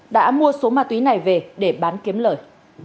câu số ma túy này về để bán kiếm lời